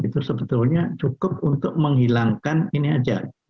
itu sebetulnya cukup untuk menghilangkan ini aja